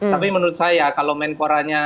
tapi menurut saya kalau menporanya